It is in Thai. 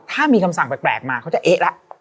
ถ้ามีคำสั่งแปลกมาเขาจะเอ๊ะแล้ว